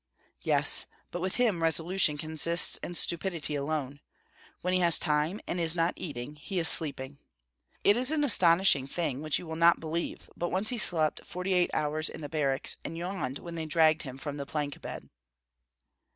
"Yes, but with him resolution consists in stupidity alone. When he has time, and is not eating, he is sleeping. It is an astonishing thing, which you will not believe; but once he slept forty eight hours in the barracks, and yawned when they dragged him from the plank bed."